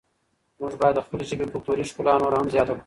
موږ باید د خپلې ژبې کلتوري ښکلا نوره هم زیاته کړو.